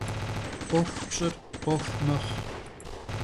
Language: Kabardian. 'uexu pş'ır 'uexu mexhu.